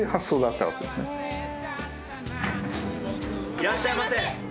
いらっしゃいませ。